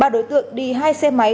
ba đối tượng đi hai xe máy